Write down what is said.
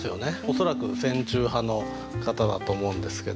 恐らく戦中派の方だと思うんですけど。